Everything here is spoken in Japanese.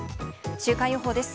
週間予報です。